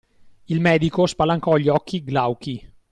Il medico spalancò gli occhi glauchi.